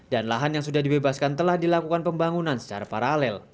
dan lahan yang sudah dibebaskan telah dilakukan pembangunan secara paralel